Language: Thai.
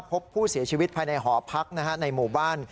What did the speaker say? พบผู้เสียชีวิตภายในหอพักในหมู่บ้าน